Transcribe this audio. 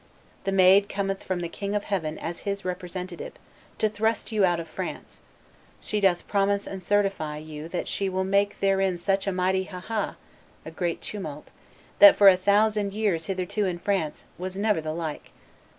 ... The Maid cometh from the King of Heaven as His representative, to thrust you out of France; she doth promise and certify you that she will make therein such mighty haha [great tumult], that for a thousand years hitherto in France was never the like.